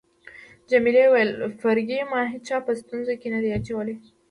جميلې وويل: فرګي، ما هیچا په ستونزو کي نه ده اچولی.